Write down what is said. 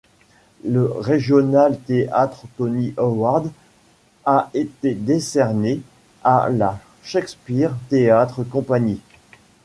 Le Regional Theatre Tony Award a été décerné à la Shakespeare Theatre Company.